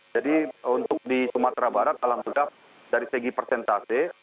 jadi untuk di sumatera barat dalam begap dari segi persentase